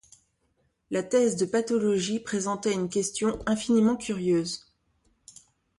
La thèse de pathologie présentait une question infiniment curieuse.